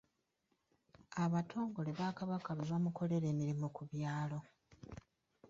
Abatongole ba Kabaka be bamukolera emirimu ku byalo.